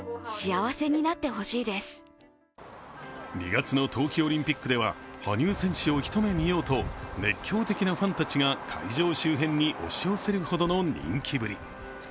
２月の冬季オリンピックでは羽生選手を一目見ようと熱狂的なファンたちが会場周辺に押し寄せるほどの人気ぶり。